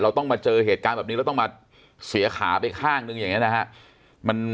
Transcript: ต้องมาเจอเหตุการณ์แบบนี้แล้วต้องมาเสียขาไปข้างนึงอย่างนี้นะฮะ